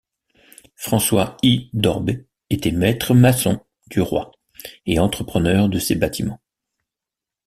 François I d’Orbay était maître maçon du roi et entrepreneur de ses bâtiments.